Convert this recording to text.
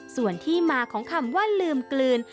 ส่วนที่มาของคำว่าลืมกลืน